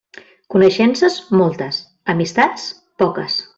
Coneixences, moltes; amistats, poques.